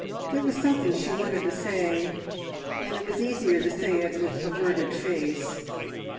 There was something she wanted to say, and it was easier to say it with averted face.